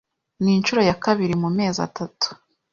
Ni inshuro ya kabiri mu mezi atatu